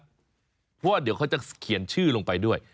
เพราะว่าเดี๋ยวเขาจะเขียนชื่อลงไปด้วย